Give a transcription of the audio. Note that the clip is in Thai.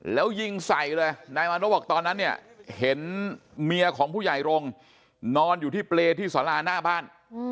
แล้วยิงใส่เลยนายมานพบอกตอนนั้นเนี่ยเห็นเมียของผู้ใหญ่รงค์นอนอยู่ที่เปรย์ที่สาราหน้าบ้าน